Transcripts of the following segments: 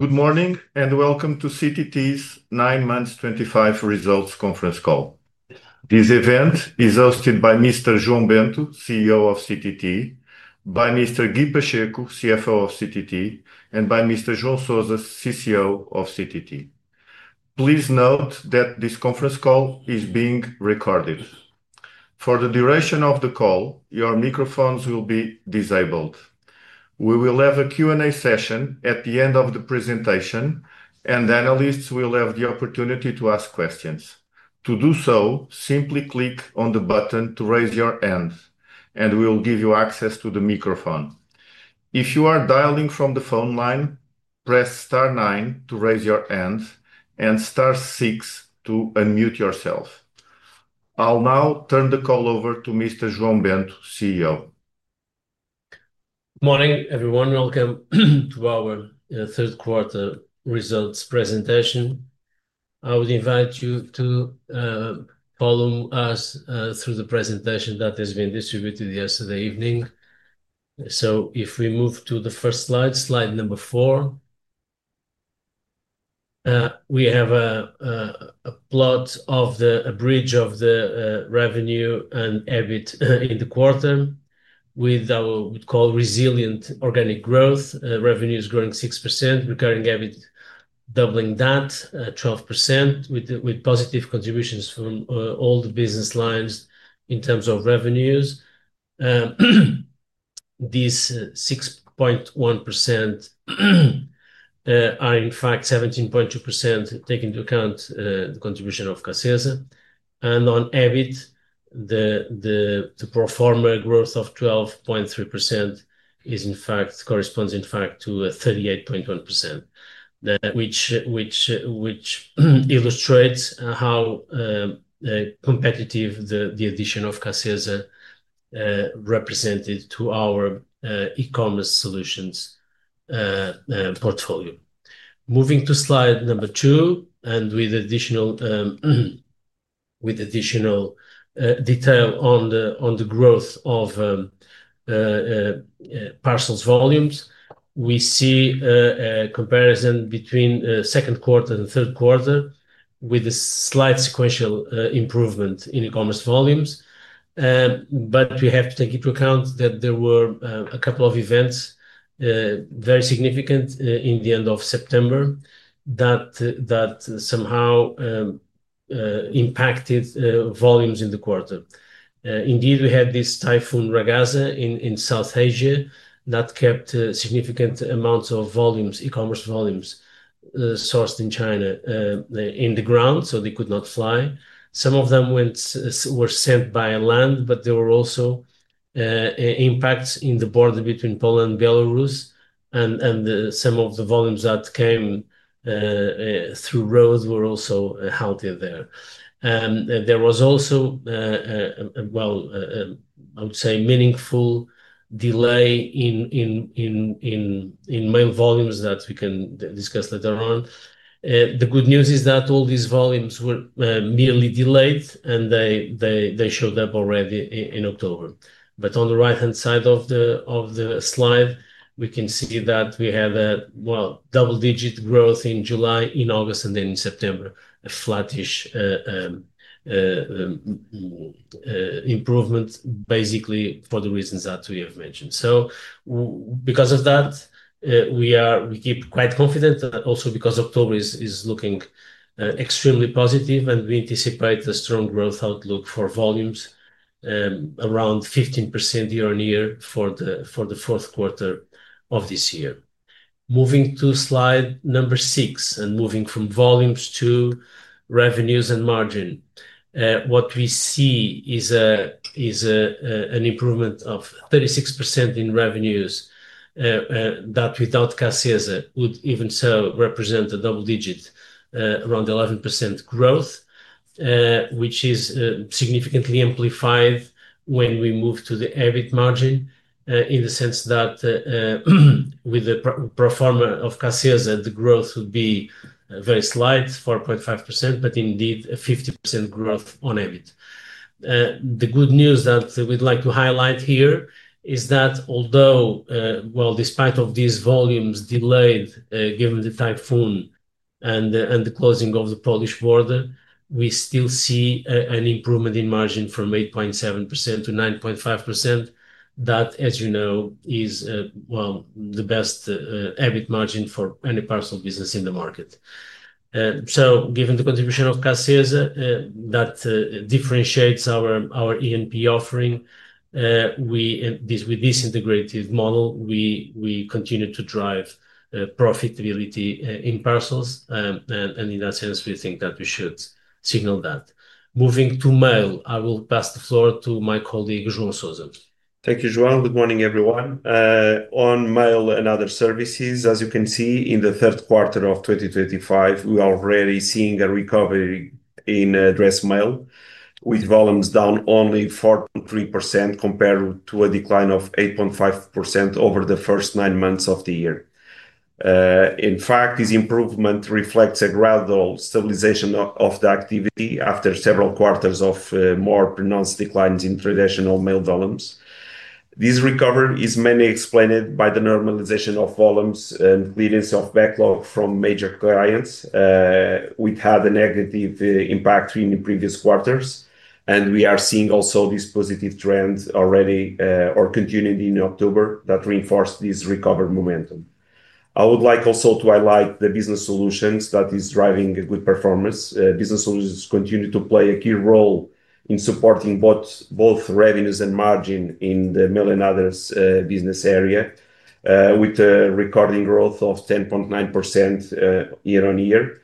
Good morning, and welcome to CTT - Correios De Portugal's nine months 2025 Results Conference Call. This event is hosted by Mr. João Bento, CEO of CTT; by Mr. Guy Patrick Guimarães de Pacheco, CFO of CTT; and by Mr. João Ventura Sousa, CCO of CTT. Please note that this conference call is being recorded. For the duration of the call, your microphones will be disabled. We will have a Q&A session at the end of the presentation, and analysts will have the opportunity to ask questions. To do so, simply click on the button to raise your hand, and we will give you access to the microphone. If you are dialing from the phone line, press star nine to raise your hand and star six to unmute yourself. I'll now turn the call over to Mr. João Bento, CEO. Good morning, everyone. Welcome to our third-quarter results presentation. I would invite you to follow us through the presentation that has been distributed yesterday evening. If we move to the first slide, slide number four, we have a plot of the bridge of the revenue and EBIT in the quarter with what we would call resilient organic growth. Revenue is growing 6%, recurring EBIT doubling that at 12%, with positive contributions from all the business lines in terms of revenues. These 6.1% are in fact 17.2% taking into account the contribution of CACESA. On EBIT, the proforma growth of 12.3% corresponds in fact to 38.1%, which illustrates how competitive the addition of CACESA represented to our e-commerce solutions portfolio. Moving to slide number two, and with additional detail on the growth of parcels volumes, we see a comparison between second quarter and third quarter with a slight sequential improvement in e-commerce volumes. We have to take into account that there were a couple of events very significant in the end of September that somehow impacted volumes in the quarter. Indeed, we had this Typhoon Ragasa in South Asia that kept significant amounts of e-commerce volumes sourced in China in the ground, so they could not fly. Some of them were sent by land, but there were also impacts in the border between Poland and Belarus, and some of the volumes that came through roads were also halted there. There was also, I would say, meaningful delay in mail volumes that we can discuss later on. The good news is that all these volumes were merely delayed, and they showed up already in October. On the right-hand side of the slide, we can see that we had a double-digit growth in July, in August, and then in September a flattish improvement, basically for the reasons that we have mentioned. Because of that, we keep quite confident, also because October is looking extremely positive, and we anticipate a strong growth outlook for volumes around 15% year-on-year for the fourth quarter of this year. Moving to slide number six, and moving from volumes to revenues and margin, what we see is an improvement of 36% in revenues. That without CACESA would even so represent a double-digit around 11% growth, which is significantly amplified when we move to the EBIT margin in the sense that with the proforma of CACESA, the growth would be very slight, 4.5%, but indeed a 50% growth on EBIT. The good news that we'd like to highlight here is that although, despite these volumes delayed given the typhoon and the closing of the Polish border, we still see an improvement in margin from 8.7%-9.5% that, as you know, is the best EBIT margin for any parcel business in the market. Given the contribution of CACESA that differentiates our E&P offering, with this integrated model, we continue to drive profitability in parcels, and in that sense, we think that we should signal that. Moving to mail, I will pass the floor to my colleague João Ventura Sousa. Thank you, João. Good morning, everyone. On Mail & Other services, as you can see, in the third quarter of 2025, we are already seeing a recovery in addressed mail, with volumes down only 4.3% compared to a decline of 8.5% over the first nine months of the year. In fact, this improvement reflects a gradual stabilization of the activity after several quarters of more pronounced declines in traditional mail volumes. This recovery is mainly explained by the normalization of volumes and clearance of backlog from major clients, which had a negative impact in the previous quarters. We are seeing also this positive trend already or continuing in October that reinforced this recovered momentum. I would like also to highlight the Business Solutions that are driving good performance. Business Solutions continue to play a key role in supporting both revenues and margin in the Mail & Other business area, with a recorded growth of 10.9% year-on-year.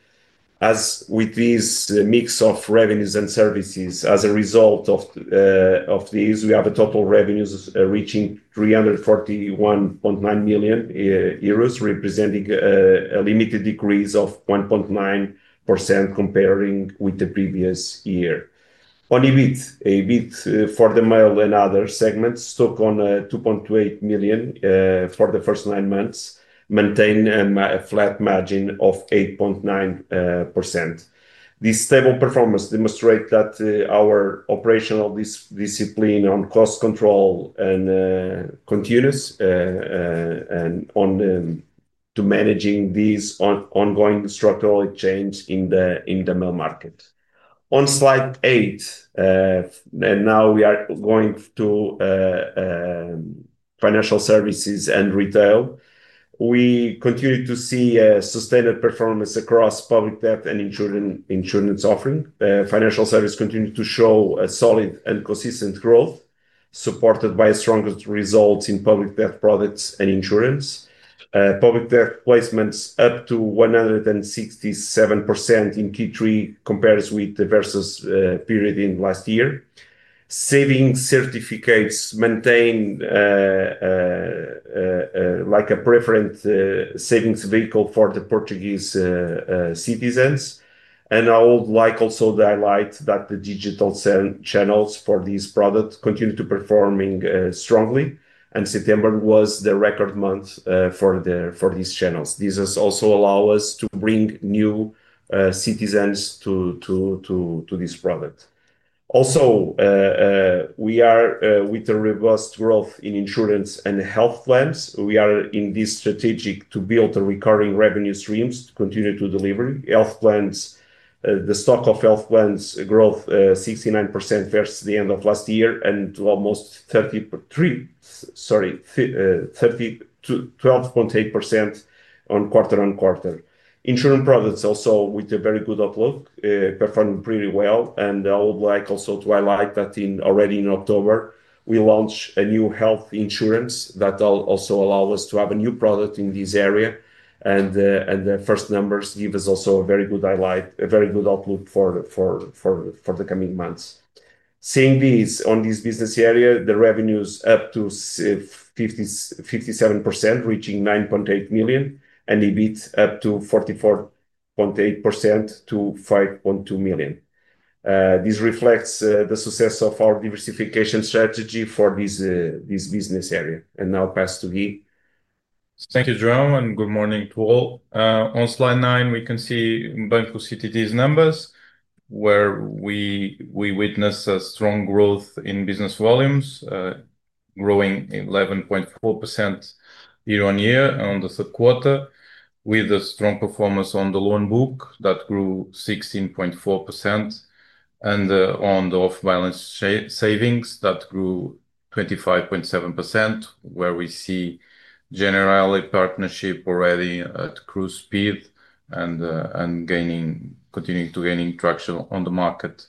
With this mix of revenues and services, as a result of these, we have total revenues reaching € 341.9 million, representing a limited decrease of 1.9% compared with the previous year. On EBIT, EBIT for the Mail & Other segments stuck on € 2.28 million for the first nine months, maintaining a flat margin of 8.9%. This stable performance demonstrates that our operational discipline on cost control continues to manage these ongoing structural changes in the mail market. On slide eight, we are going to Financial Services and Retail. We continue to see a sustained performance across public debt and insurance offering. Financial Services continue to show a solid and consistent growth, supported by stronger results in public debt products and insurance. Public debt placements up to 167% in Q3 compared with the versus period in last year. Savings certificates maintain a preferred savings vehicle for the Portuguese citizens. I would like also to highlight that the digital channels for these products continue to perform strongly, and September was the record month for these channels. This also allows us to bring new citizens to this product. We are with a robust growth in insurance and health plans. We are in this strategic to build recurring revenue streams to continue to deliver health plans. The stock of health plans growth 69% versus the end of last year and to almost 12.8% on quarter-on-quarter. Insurance products also with a very good outlook, performing pretty well. I would like also to highlight that already in October, we launched a new health insurance that also allows us to have a new product in this area. The first numbers give us also a very good outlook for the coming months. Seeing this, on this business area, the revenues up to 57%, reaching € 9.8 million, and EBIT up to 44.8% to € 5.2 million. This reflects the success of our diversification strategy for this business area. Now pass to Guy. Thank you, João, and good morning to all. On slide nine, we can see Banco CTT's numbers, where we witness a strong growth in business volumes, growing 11.4% year-on-year on the third quarter, with a strong performance on the loan book that grew 16.4% and on the off-balance savings that grew 25.7%, where we see generally partnership already at cruise speed and continuing to gain traction on the market.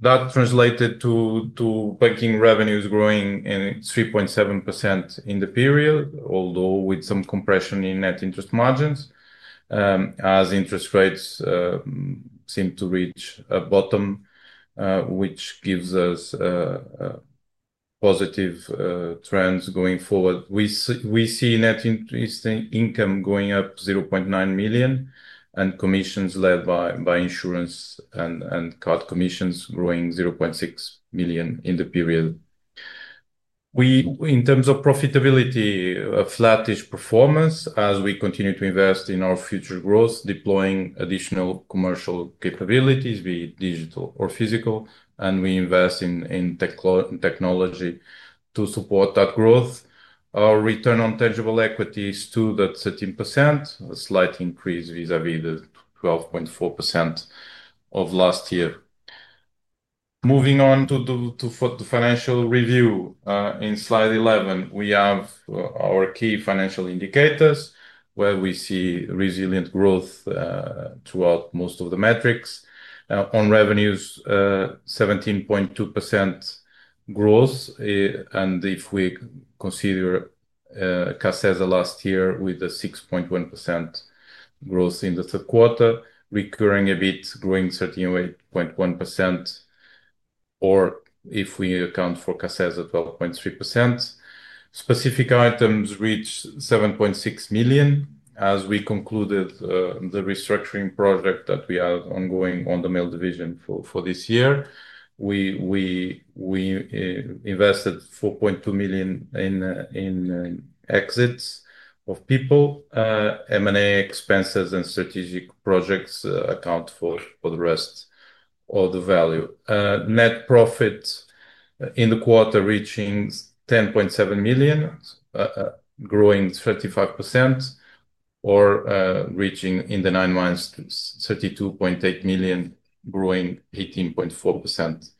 That translated to banking revenues growing 3.7% in the period, although with some compression in net interest margins as interest rates seem to reach a bottom, which gives us positive trends going forward. We see net interest income going up €0.9 million, and commissions led by insurance and card commissions growing €0.6 million in the period. In terms of profitability, a flattish performance as we continue to invest in our future growth, deploying additional commercial capabilities, be it digital or physical, and we invest in technology to support that growth. Our return on tangible equity is 2.13%, a slight increase vis-à-vis the 12.4% of last year. Moving on to the financial review, in slide 11, we have our key financial indicators, where we see resilient growth throughout most of the metrics. On revenues, 17.2% growth, and if we consider CACESA last year with a 6.1% growth in the third quarter, recurring EBIT growing 13.1%, or if we account for CACESA, 12.3%. Specific items reached € 7.6 million as we concluded the restructuring project that we had ongoing on the mail division for this year. We invested € 4.2 million in exits of people. M&A expenses and strategic projects account for the rest of the value. Net profit in the quarter reaching €10.7 million, growing 35%, or reaching in the nine months € 32.8 million, growing 18.4%.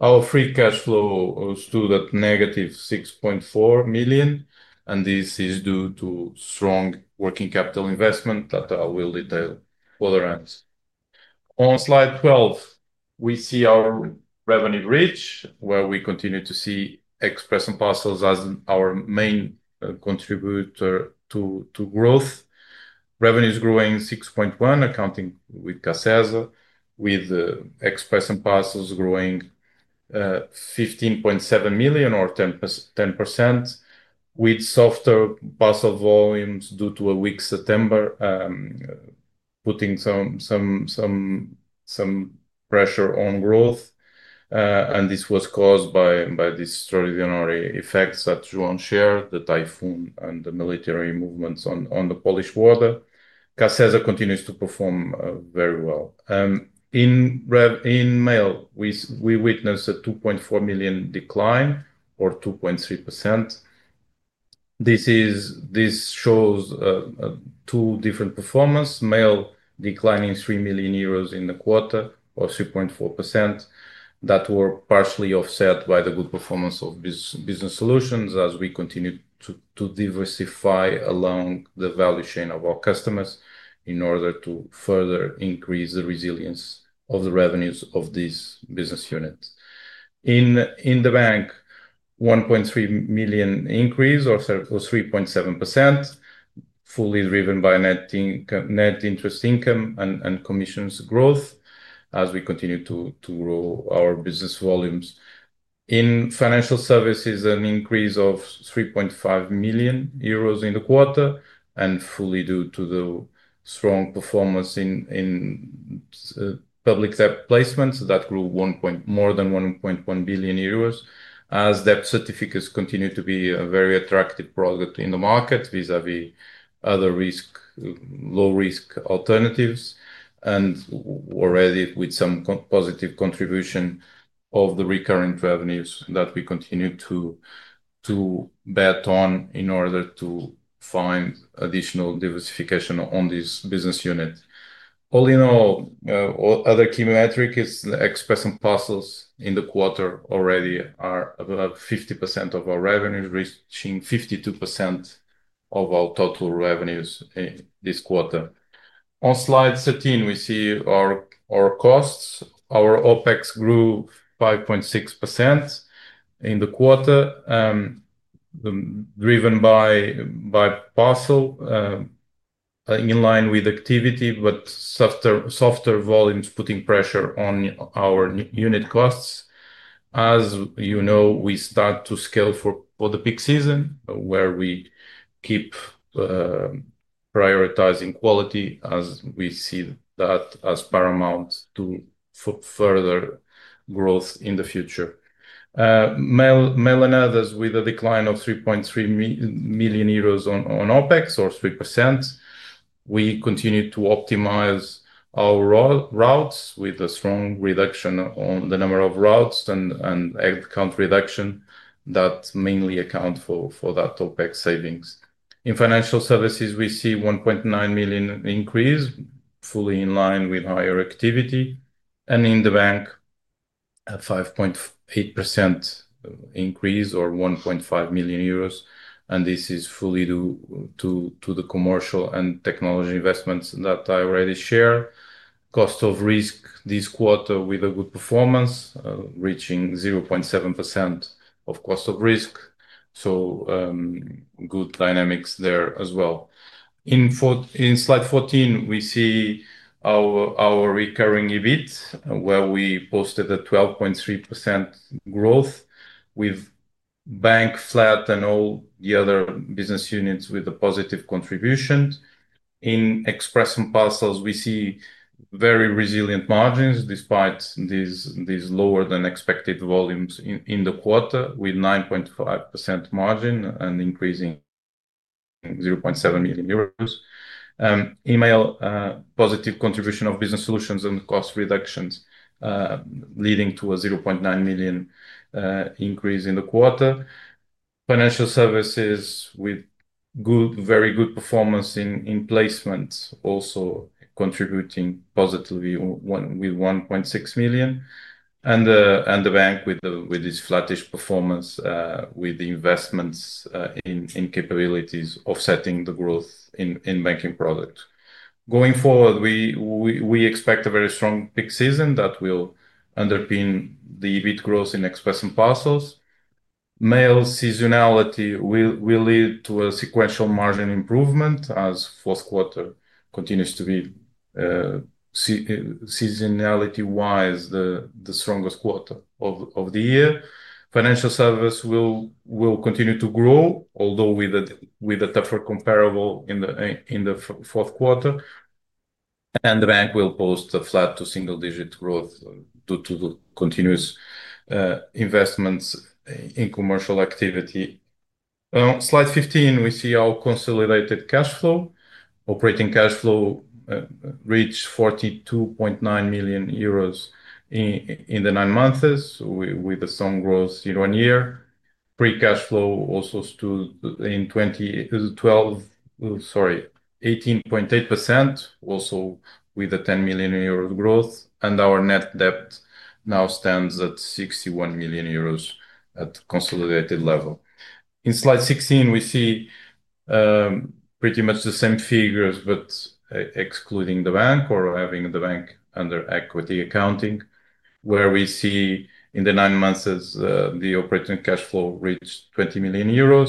Our free cash flow stood at -€ 6.4 million, and this is due to strong working capital investment that I will detail further on. On slide 12, we see our revenue reach, where we continue to see Express and Parcels as our main contributor to growth. Revenues growing 6.1%, accounting with CACESA, with Express & Parcels growing € 15.7 million or 10%, with softer parcel volumes due to a weak September, putting some pressure on growth. This was caused by these extraordinary effects that João shared, the typhoon and the military movements on the Polish border. CACESA continues to perform very well. In Mail, we witnessed a € 2.4 million decline or 2.3%. This shows two different performances. Mail declining € 3 million in the quarter or 3.4%, that were partially offset by the good performance of Business Solutions as we continued to diversify along the value chain of our customers in order to further increase the resilience of the revenues of these business units. In the Bank, € 1.3 million increase or 3.7%, fully driven by net interest income and commissions growth as we continue to grow our business volumes. In Financial Services, an increase of € 3.5 million in the quarter, and fully due to the strong performance in public debt placements that grew more than € 1.1 billion as debt certificates continue to be a very attractive product in the market vis-à-vis other low-risk alternatives, and already with some positive contribution of the recurrent revenues that we continue to bet on in order to find additional diversification on this business unit. All in all, other key metric is Express & Parcels in the quarter already are about 50% of our revenues, reaching 52% of our total revenues this quarter. On slide 13, we see our costs. Our OpEx grew 5.6% in the quarter, driven by parcels in line with activity, but softer volumes putting pressure on our unit costs. We start to scale for the peak season, where we keep prioritizing quality, as we see that as paramount to further growth in the future. Mail & Other with a decline of € 3.3 million on OpEx or 3%. We continue to optimize our routes with a strong reduction on the number of routes and account reduction that mainly account for that OpEx savings. In Financial Services, we see a € 1.9 million increase, fully in line with higher activity. In the Bank, a 5.8% increase or € 1.5 million, and this is fully due to the commercial and technology investments that I already shared. Cost of risk this quarter with a good performance, reaching 0.7% of cost of risk. Good dynamics there as well. In slide 14, we see our recurring EBIT, where we posted a 12.3% growth with Bank flat and all the other business units with a positive contribution. In Express & Parcels, we see very resilient margins despite these lower than expected volumes in the quarter, with 9.5% margin and increasing € 0.7 million. In Mail, positive contribution of Business Solutions and cost reductions leading to a € 0.9 million increase in the quarter. Financial Services with very good performance in placements, also contributing positively with € 1.6 million. The bank with this flattish performance with the investments in capabilities offsetting the growth in banking product. Going forward, we expect a very strong peak season that will underpin the EBIT growth in Express & Parcels. Mail seasonality will lead to a sequential margin improvement as the fourth quarter continues to be, seasonality-wise, the strongest quarter of the year. Financial Services will continue to grow, although with a tougher comparable in the fourth quarter. The bank will post a flat to single-digit growth due to the continuous investments in commercial activity. On slide 15, we see our consolidated cash flow. Operating cash flow reached € 42.9 million in the nine months, with a strong growth year-on-year. Free cash flow also stood at 18.8%, also with a € 10 million growth. Our net debt now stands at € 61 million at consolidated level. In slide 16, we see pretty much the same figures, but excluding the bank or having the bank under equity accounting, where we see in the nine months the operating cash flow reached € 20 million.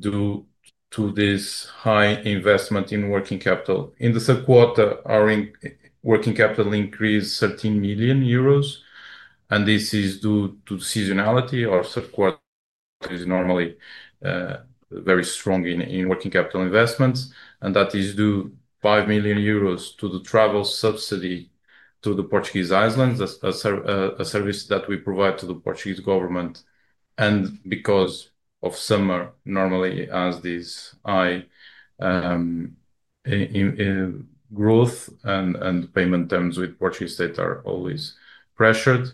Due to this high investment in working capital in the third quarter, our working capital increased €13 million. This is due to seasonality. Our third quarter is normally very strong in working capital investments. That is due to € 5 million to the travel subsidy to the Portuguese islands, a service that we provide to the Portuguese government. Because of summer, normally there is this high growth and payment terms with the Portuguese state are always pressured.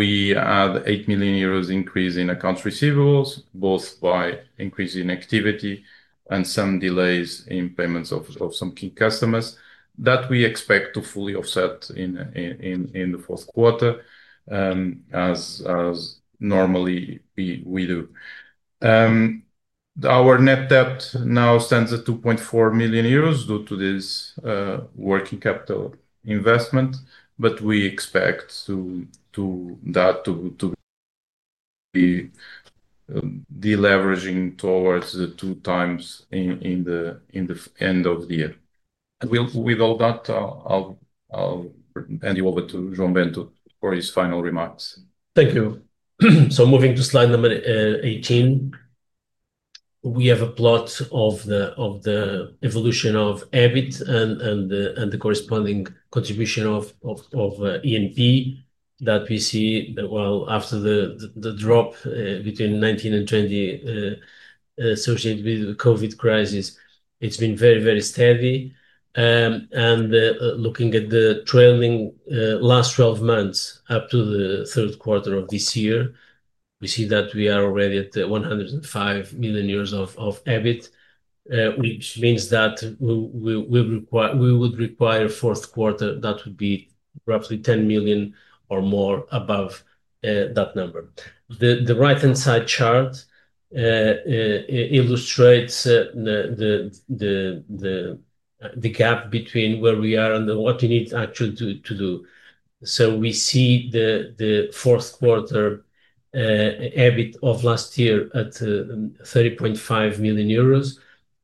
We had € 8 million increase in accounts receivables, both by increasing activity and some delays in payments of some key customers that we expect to fully offset in the fourth quarter, as normally we do. Our net debt now stands at € 2.4 million due to this working capital investment, but we expect that to be deleveraging towards the two times in the end of the year. With all that, I'll hand you over to João Bento for his final remarks. Thank you. So moving to slide number 18, we have a plot of the evolution of EBIT and the corresponding contribution of Express & Parcels that we see after the drop between 2019 and 2020 associated with the COVID crisis. It's been very, very steady. Looking at the trailing last 12 months up to the third quarter of this year, we see that we are already at € 105 million of EBIT, which means that we would require a fourth quarter that would be roughly € 10 million or more above that number. The right-hand side chart illustrates the gap between where we are and what we need actually to do. We see the fourth quarter EBIT of last year at € 30.5 million.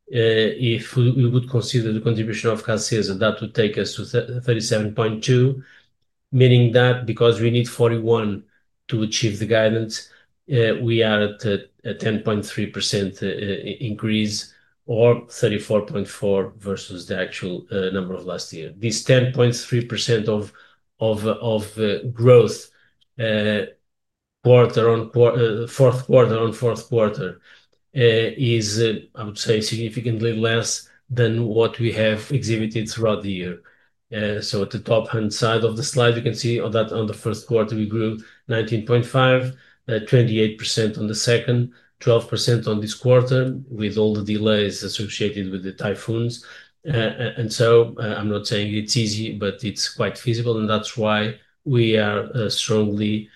If we would consider the contribution of CACESA, that would take us to € 37.2 million, meaning that because we need € 41 million to achieve the guidance, we are at a 10.3% increase or € 34.4 million versus the actual number of last year. This 10.3% of growth, fourth quarter on fourth quarter, is, I would say, significantly less than what we have exhibited throughout the year. At the top-hand side of the slide, you can see that in the first quarter, we grew 19.5%, 28% in the second, 12% in this quarter, with all the delays associated with the typhoons. I'm not saying it's easy, but it's quite feasible. That's why we are strongly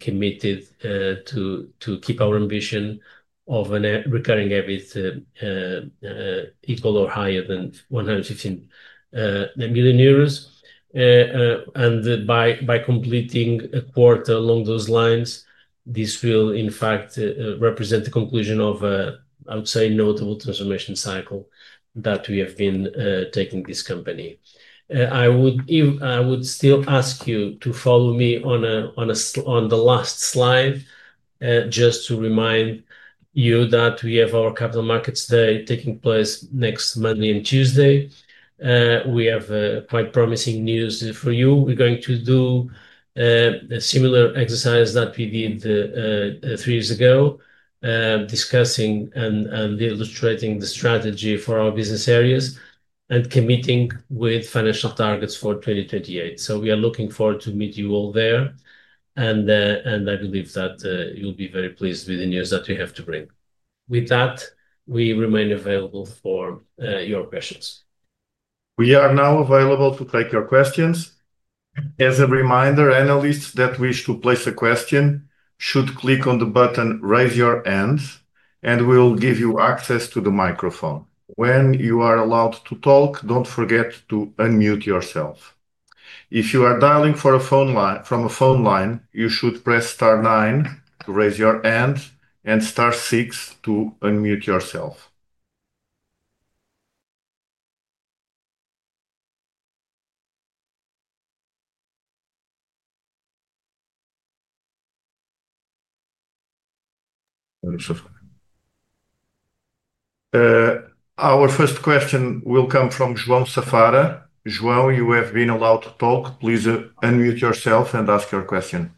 committed to keep our ambition of a recurring EBIT equal or higher than € 115 million. By completing a quarter along those lines, this will, in fact, represent the conclusion of, I would say, a notable transformation cycle that we have been taking this company. I would still ask you to follow me on the last slide, just to remind you that we have our Capital Markets Day taking place next Monday and Tuesday. We have quite promising news for you. We're going to do a similar exercise that we did three years ago, discussing and illustrating the strategy for our business areas and committing with financial targets for 2028. We are looking forward to meeting you all there, and I believe that you'll be very pleased with the news that we have to bring. With that, we remain available for your questions. We are now available to take your questions. As a reminder, analysts that wish to place a question should click on the button "Raise Your Hand," and we will give you access to the microphone. When you are allowed to talk, don't forget to unmute yourself. If you are dialing from a phone line, you should press star nine to raise your hand and star six to unmute yourself. Our first question will come from João Safara. João, you have been allowed to talk. Please unmute yourself and ask your question.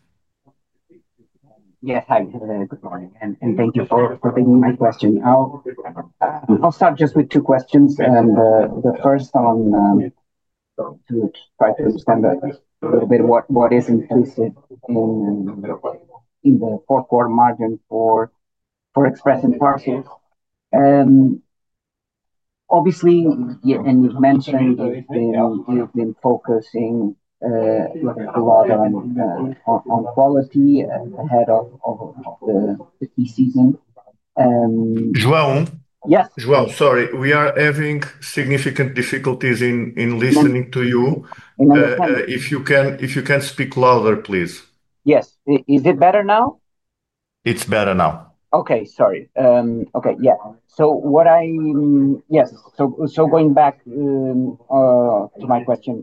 Yes, hi. Good morning. Thank you for taking my question. I'll start just with two questions. The first one, to try to understand a little bit what is included in the fourth quarter margin for Express & Parcels. Obviously, you've mentioned it, you've been focusing a lot on quality ahead of the peak season. João? Yes? João, sorry. We are having significant difficulties in listening to you. No problem. If you can speak louder, please. Yes, is it better now? It's better now. Okay. Yeah. Going back to my question,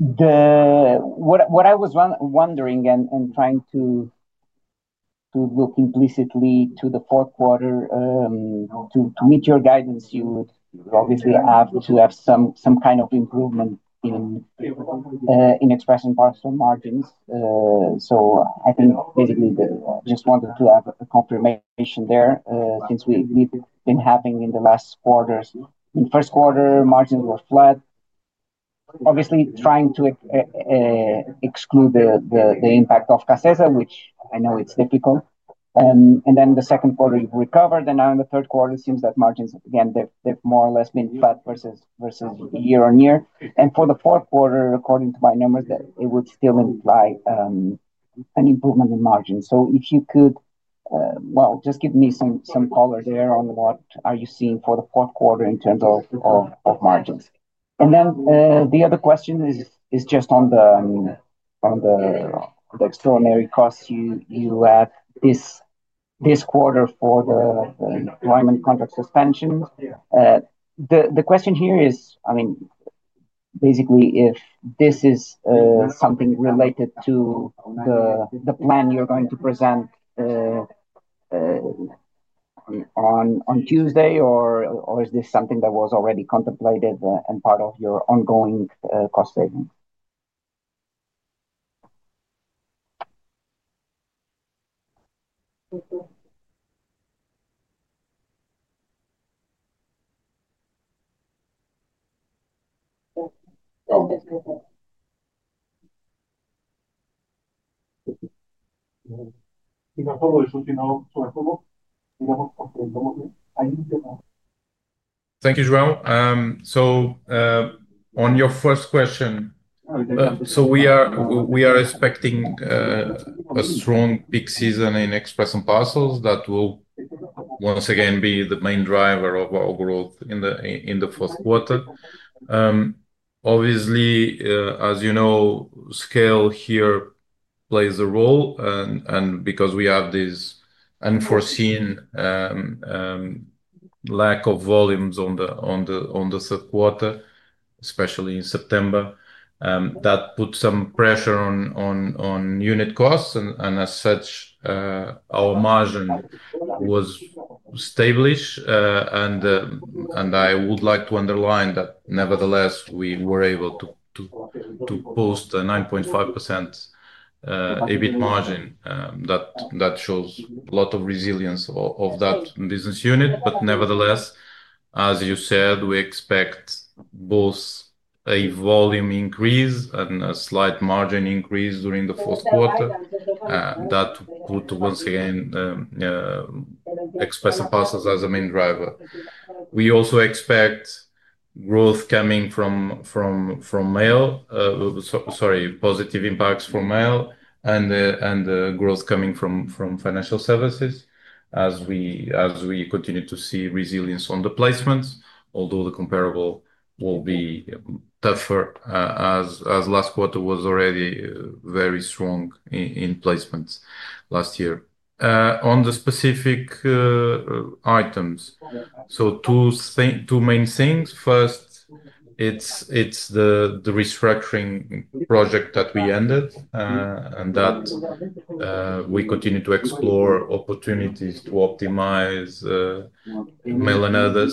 what I was wondering and trying to look implicitly to the fourth quarter, to meet your guidance, you would obviously have to have some kind of improvement in Express & Parcels margins. I think basically I just wanted to have a confirmation there since we've been having in the last quarters. In the first quarter, margins were flat, obviously trying to exclude the impact of CACESA, which I know it's difficult. In the second quarter, you've recovered, and now in the third quarter, it seems that margins, again, they've more or less been flat versus year-on-year. For the fourth quarter, according to my numbers, it would still imply an improvement in margins. If you could just give me some color there on what are you seeing for the fourth quarter in terms of margins. The other question is just on the extraordinary costs you had this quarter for the employment contract suspension. The question here is, basically, if this is something related to the plan you're going to present on Tuesday, or is this something that was already contemplated and part of your ongoing cost savings? Thank you, João. On your first question, we are expecting a strong peak season in Express & Parcels that will once again be the main driver of our growth in the fourth quarter. Obviously, as you know, scale here plays a role, and because we have this unforeseen lack of volumes in the third quarter, especially in September, that put some pressure on unit costs. As such, our margin was established. I would like to underline that nevertheless, we were able to post a 9.5% EBIT margin that shows a lot of resilience of that business unit. Nevertheless, as you said, we expect both a volume increase and a slight margin increase during the fourth quarter that would once again make Express & Parcels the main driver. We also expect positive impacts from Mail and growth coming from Financial Services as we continue to see resilience on the placements, although the comparable will be tougher as last quarter was already very strong in placements last year. On the specific items, two main things. First, it's the restructuring project that we ended and that we continue to explore opportunities to optimize Mail & Other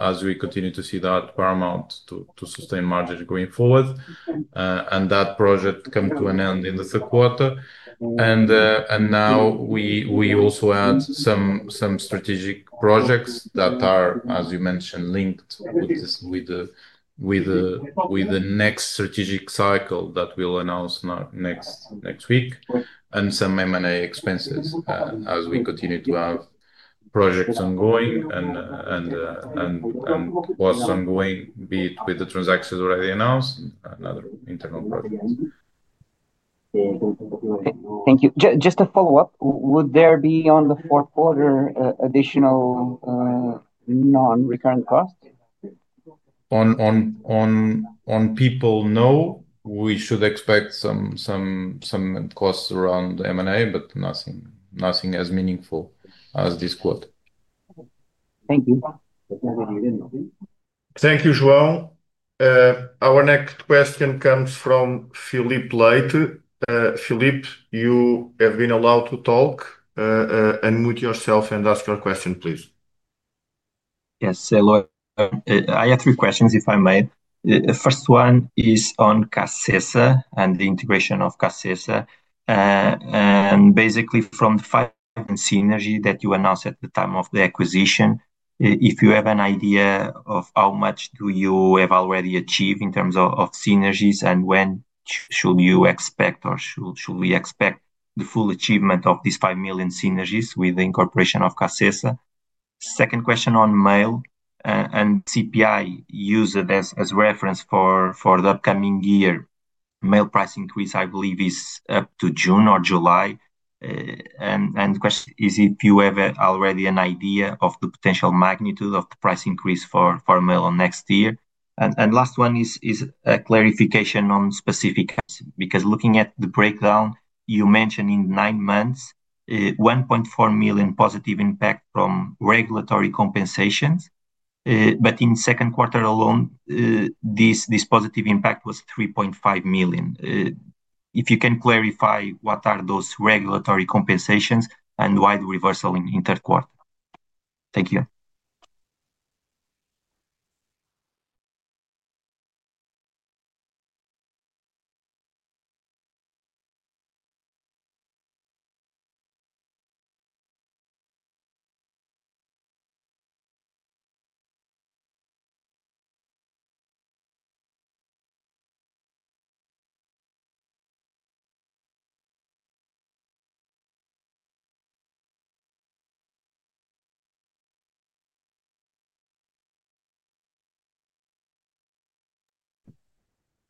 as we continue to see that as paramount to sustain margins going forward. That project came to an end in the third quarter. We also had some strategic projects that are, as you mentioned, linked with the next strategic cycle that we'll announce next week and some M&A expenses as we continue to have projects ongoing, whether with the transactions already announced or another internal project. Thank you. Just to follow up, would there be on the fourth quarter additional non-recurrent costs? People know we should expect some costs around M&A, but nothing as meaningful as this quarter. Thank you. Thank you, João. Our next question comes from Filipe Leite. Filipe, you have been allowed to talk. Unmute yourself and ask your question, please. Yes. I have three questions, if I may. The first one is on CACESA and the integration of CACESA. Basically, from the five synergies that you announced at the time of the acquisition, if you have an idea of how much you have already achieved in terms of synergies and when should you expect or should we expect the full achievement of these € 5 million synergies with the incorporation of CACESA? Second question on mail and CPI used as reference for the upcoming year. Mail price increase, I believe, is up to June or July. The question is, do you have already an idea of the potential magnitude of the price increase for mail next year? The last one is a clarification on specifics because looking at the breakdown, you mentioned in nine months, € 1.4 million positive impact from regulatory compensations. In the second quarter alone, this positive impact was € 3.5 million. If you can clarify what are those regulatory compensations and why the reversal in the third quarter. Thank you.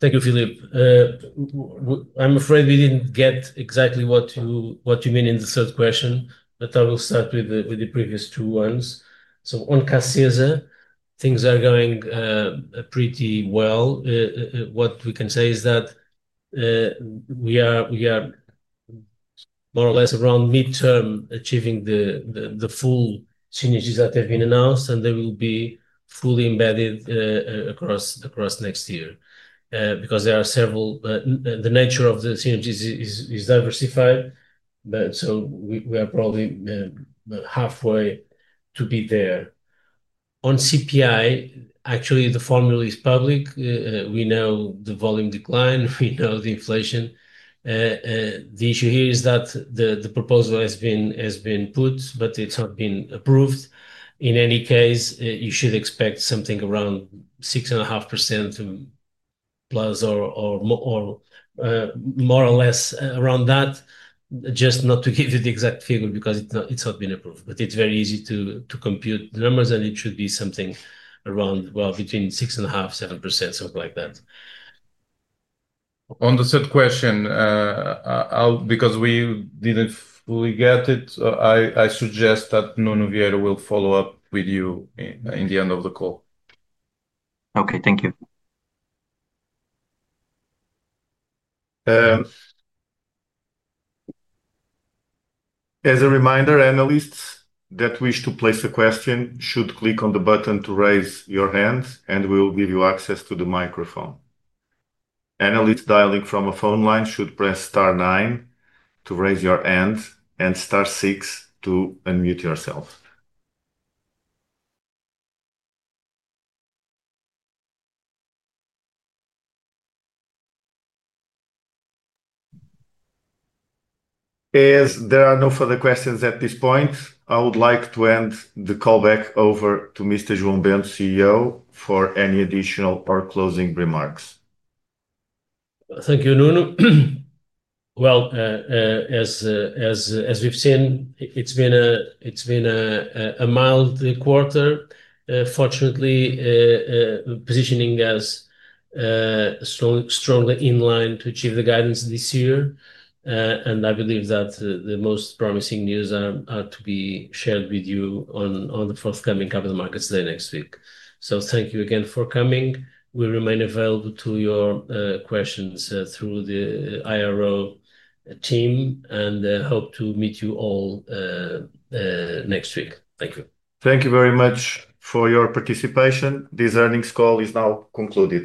Thank you, Filipe. I'm afraid we didn't get exactly what you mean in the third question, but I will start with the previous two ones. On CACESA, things are going pretty well. What we can say is that we are more or less around midterm achieving the full synergies that have been announced, and they will be fully embedded across next year because the nature of the synergies is diversified. We are probably halfway to be there. On CPI, actually, the formula is public. We know the volume decline. We know the inflation. The issue here is that the proposal has been put, but it's not been approved. In any case, you should expect something around 6.5% plus or more or less around that. Just not to give you the exact figure because it's not been approved. It's very easy to compute the numbers, and it should be something around, well, between 6.5%, 7%, something like that. On the third question, because we didn't fully get it, I suggest that Nuno Vieira will follow up with you in the end of the call. Okay. Thank you. As a reminder, analysts that wish to place a question should click on the button to raise your hand, and we will give you access to the microphone. Analysts dialing from a phone line should press star 9 to raise your hand and star six to unmute yourself. As there are no further questions at this point, I would like to hand the call back over to Mr. João Bento, CEO, for any additional or closing remarks. Thank you, Nuno. As we've seen, it's been a mild quarter, fortunately, positioning us strongly in line to achieve the guidance this year. I believe that the most promising news are to be shared with you on the forthcoming Capital Markets Day next week. Thank you again for coming. We remain available to your questions through the IRO team and hope to meet you all next week. Thank you. Thank you very much for your participation. This earnings call is now concluded.